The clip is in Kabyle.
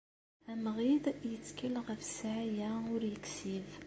Amɣid yettkel ɣef sɛaya ur yeksib.